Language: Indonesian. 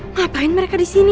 ngapain mereka disini